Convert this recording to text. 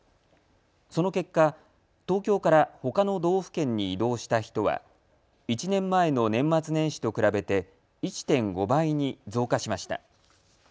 その結果、東京からほかの道府県に移動した人は１年前の年末年始と比べて１．５倍に増加しました。